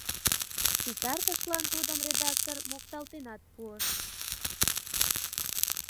Ситартышлан тудым редактор мокталтенат пуыш: